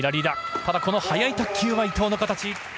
ただこの速い卓球は伊藤の形。